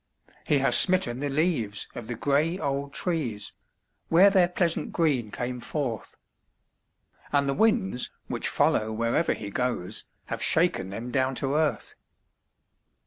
He has smitten the leaves of the gray old trees where their pleasant green came forth, And the winds, which follow wherever he goes, have shaken them down to earth.